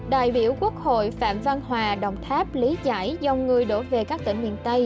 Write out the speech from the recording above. đại biểu quốc hội phạm văn hòa đồng tháp lý giải dòng người đổ về các tỉnh miền tây